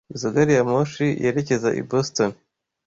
Izoi gari ya moshi yerekeza i Boston.